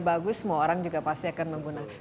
bagus semua orang juga pasti akan menggunakan